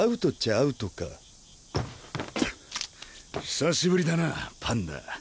久しぶりだなパンダ。